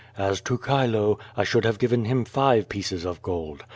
As to Chilo, 1 should have given him five pieees of gold.